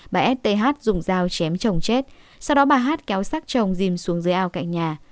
bà s t h dùng dao chém chồng chết sau đó bà h kéo sát chồng dìm xuống dưới ao cạnh nhà